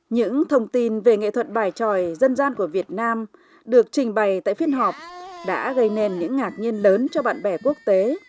những thông tin về nghệ thuật bài tròi dân gian của việt nam được trình bày tại phiên họp đã gây nên những ngạc nhiên lớn cho bạn bè quốc tế